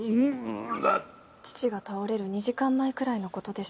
父が倒れる２時間前くらいのことでした。